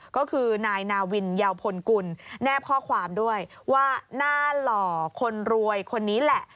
ก็คือนายนาวินยาวพลกุลแนบข้อความด้วยว่าหน้าหล่อคนรวยคนนี้แหละ